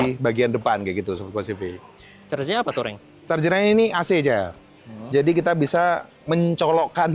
di bagian depan gitu pelucon easy chargernya pembicaraannya ini ac nya jadi kita bisa mencolokkan